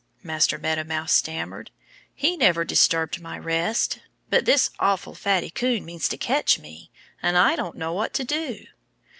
Master Meadow Mouse stammered. "He never disturbed my rest. But this awful Fatty Coon means to catch me. And I don't know what to do."